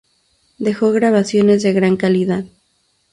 Dejó grabaciones de gran calidad.